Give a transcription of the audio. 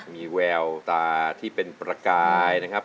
มีแววตาที่เป็นประกายนะครับ